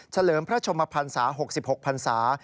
เลิมพระชมพันศา๖๖พันศา